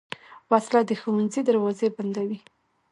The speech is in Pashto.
وسله د ښوونځي دروازې بندوي